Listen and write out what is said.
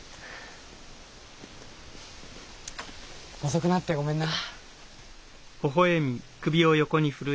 遅くなってごめんな。